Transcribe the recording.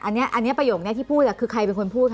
อันนี้ประโยคนี้ที่พูดคือใครเป็นคนพูดค่ะ